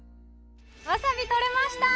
わさび取れました！